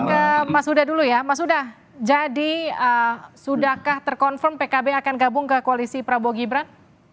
saya ke mas huda dulu ya mas huda jadi sudahkah terkonfirm pkb akan gabung ke koalisi prabowo gibran